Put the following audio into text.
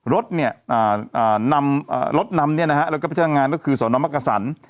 รถเนี่ยอ่านำอ่ารถนำนี่นะฮะแล้วก็พิจารณงานก็คือสนมักกระสั่น